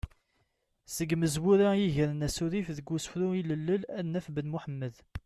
Seg yimezwura i yegren asurif deg usefru ilelli ad naf Ben Muḥemmed.